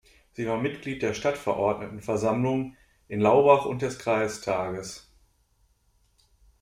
Sie war Mitglied der Stadtverordnetenversammlung in Laubach und des Kreistages.